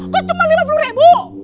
pak kok cuma rp lima puluh